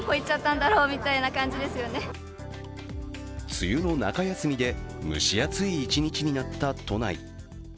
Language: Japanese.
梅雨の中休みで蒸し暑い一日になった都内。